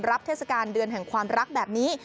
เทศกาลเดือนแห่งความรักแบบนี้